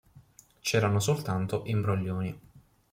C'erano soltanto imbroglioni.